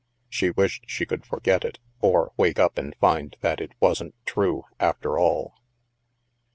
She wished she could forget it, or wake up and find that it wasn't true, after all.